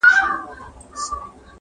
• د لېوه سترگي د ده غوښوته سرې وې -